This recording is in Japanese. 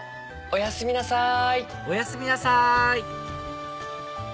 おやすみなさい！